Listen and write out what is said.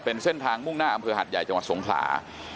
เป็นเส้นทางมุ่งหน้าอำเภอหัดใหญ่จังหวัดสงขลา